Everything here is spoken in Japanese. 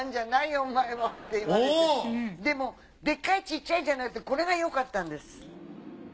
でもデカイちっちゃいじゃなくてこれがよかったんです。